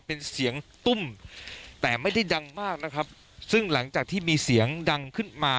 เป็นเสียงตุ้มแต่ไม่ได้ดังมากนะครับซึ่งหลังจากที่มีเสียงดังขึ้นมา